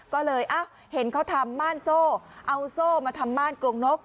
ก็เลยเห็นเขาทำม่านโซ่เอาโซ่มาทำม่านกรงนก